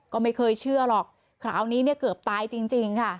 ก็ไม่เคยเชื่อหรอกคราวนี้เนี่ยเกือบตายจริงค่ะ